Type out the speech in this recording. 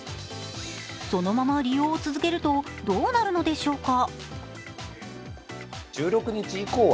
そのまま利用を続けるとどうなるのでしょうか。